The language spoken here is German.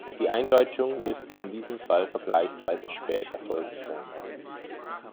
Die Eindeutschung müsste in diesem Fall vergleichsweise spät erfolgt sein.